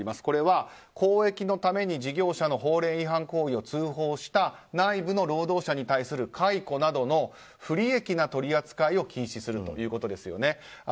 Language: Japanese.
これは公益のために事業者の法令違反行為を通報した内部の労働者に対する解雇などの不利益な取り扱いを禁止するものですね。